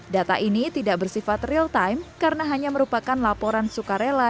data ini tidak bersifat real time karena hanya merupakan laporan sukarela